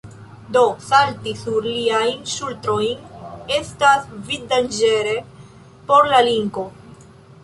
Do salti sur iliajn ŝultrojn estas vivdanĝere por la linko.